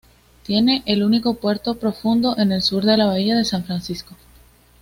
Tiene el único puerto profundo en el sur de la bahía de San Francisco.